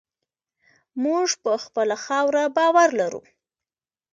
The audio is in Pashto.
موږ په خپله خاوره باور لرو.